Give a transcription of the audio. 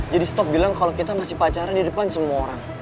jadi stop bilang kalo kita masih pacaran di depan semua orang